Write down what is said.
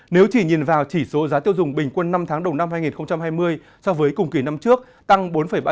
nếu chỉ nhìn vào chỉ số giá tiêu dùng bình quân năm tháng đầu năm hai nghìn hai mươi so với cùng kỳ năm trước tăng bốn ba